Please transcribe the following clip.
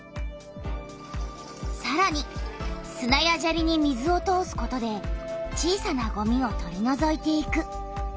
さらにすなやジャリに水を通すことで小さなゴミを取りのぞいていく。